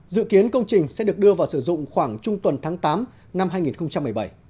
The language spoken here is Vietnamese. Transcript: dự kiến công trình sẽ được đưa vào sử dụng khoảng trung tuần tháng tám năm hai nghìn một mươi bảy